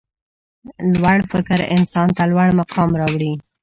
لوړ فکر انسان ته لوړ مقام راوړي.